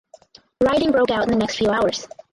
Rioting broke out in the next few hours.